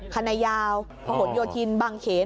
คันยาวโพหดโยธินบังเขน